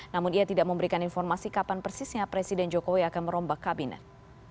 namun ia tidak memberikan informasi kapan persisnya presiden jokowi akan merombak kabinet